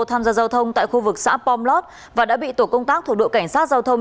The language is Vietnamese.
tham gia giao thông tại khu vực xã pomlot và đã bị tổ công tác thuộc đội cảnh sát giao thông